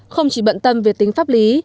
không chỉ bận tâm về tính pháp lý